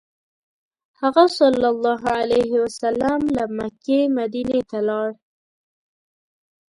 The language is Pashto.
هغه ﷺ له مکې مدینې ته لاړ.